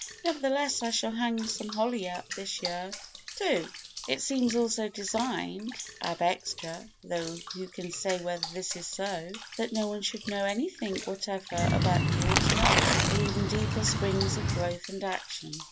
Nevertheless I shall hang some holly up this year. ii It seems also designed, ab extra (though who can say whether this is so?), that no one should know anything whatever about the ultimate, or even deeper springs of growth and action.